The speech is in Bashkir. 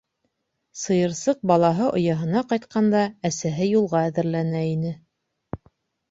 Сыйырсыҡ балаһы ояһына ҡайтҡанда, әсәһе юлға әҙерләнә ине.